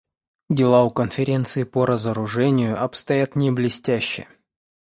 Дела у Конференции по разоружению обстоят не блестяще.